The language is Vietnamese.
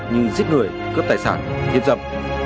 như giết người cướp tài sản hiếp dập